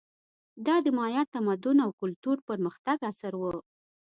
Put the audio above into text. دا د مایا تمدن او کلتور پرمختګ عصر و.